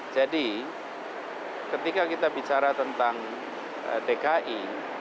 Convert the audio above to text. jadi ketika kita bicara tentang dki